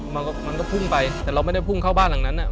มันก็พุ่งไปแต่เราไม่ได้พุ่งเข้าบ้านหลังนั้น